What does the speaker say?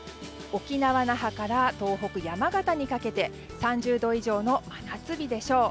沖縄・那覇から東北、山形にかけて３０度以上の真夏日でしょう。